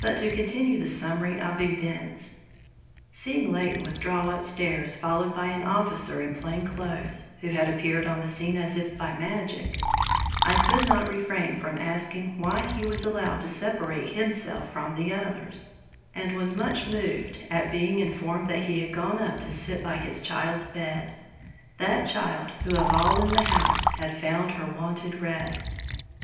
But to continue the summary of events. Seeing Leighton withdraw upstairs, followed by an officer in plain clothes, who had appeared on the scene as if by magic, I could not refrain from asking why he was allowed to separate himself from the others, and was much moved at being informed that he had gone up to sit by his child's bed, that child who of all in the house had found her wonted rest.